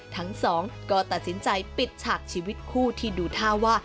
ทั้งสองก็ตัดสินใจปิดฉากชีวิตคู่ที่ดูท่าว่า